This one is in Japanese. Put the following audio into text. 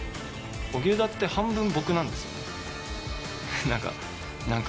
荻生田って半分僕なんですよね。